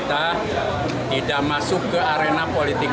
kita tidak masuk ke arena politik